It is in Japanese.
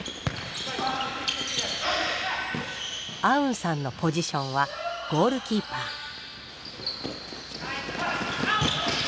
アウンさんのポジションはゴールキーパー。